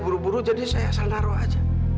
buru buru jadi saya asal naroh aja